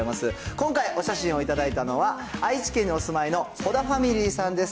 今回、お写真を頂いたのは、愛知県にお住いの保田ファミリーさんです。